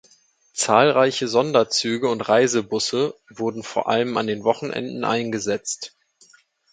Zahlreiche Sonderzüge und Reisebusse wurden vor allem an den Wochenenden eingesetzt.